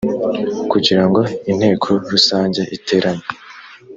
kugira ngo inteko rusange iterane